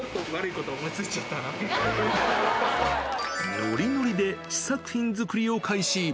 ノリノリで試作品作りを開始。